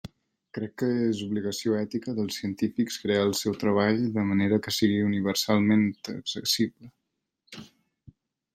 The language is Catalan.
Crec que és obligació ètica dels científics crear el seu treball de manera que sigui universalment accessible.